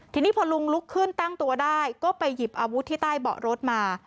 ทีนี้พอลุงลุกขึ้นตั้งตัวได้ก็ไปหยิบอาวุธที่ใต้เบาะรถมา